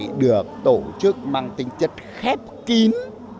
lại được tổ chức bằng tính chất khép kín